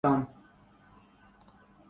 کیا یہ منظر بہت سے لوگوں کے لیے باعث عبرت نہیں؟